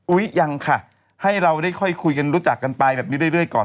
ยังค่ะให้เราได้ค่อยคุยกันรู้จักกันไปแบบนี้เรื่อยก่อน